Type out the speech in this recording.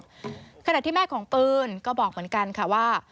เมื่อไหร่ที่แม่ของปืนก็บอกเหมือนกันค่ะว่า